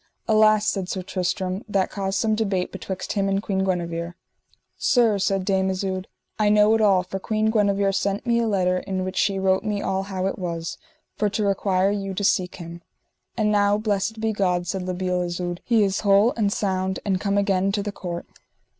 Alas, said Sir Tristram, that caused some debate betwixt him and Queen Guenever. Sir, said Dame Isoud, I know it all, for Queen Guenever sent me a letter in the which she wrote me all how it was, for to require you to seek him. And now, blessed be God, said La Beale Isoud, he is whole and sound and come again to the court.